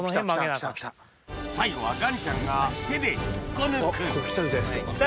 最後は岩ちゃんが手で引っこ抜くきた！